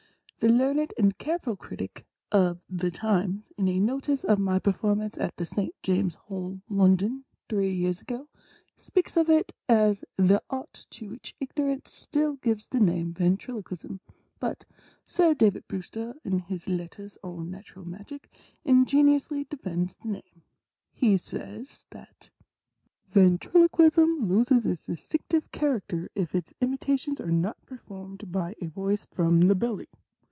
The learned and careful critic of Tlie Times, in a notice of my performance at the St. James Hall, London, three years ago, speaks of it as ' that Art to which ignorance still gives the name Ventriloquism ;' but Sir David Brewster, in his letters on \ Na tural Magic, 7 ingeniously defends the name. He says, that 1 Ventriloquism loses its distinctive character ifits imitations are not performed by a voice from the belly.